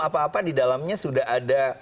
apa apa di dalamnya sudah ada